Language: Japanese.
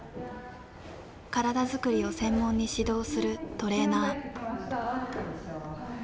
体作りを専門に指導するトレーナー。